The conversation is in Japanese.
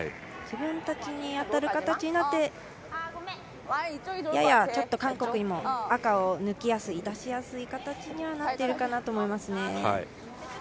自分たちに当たる形になってややちょっと韓国にも赤を抜きやすい出しやすい形にはなっているかなとは思いますね。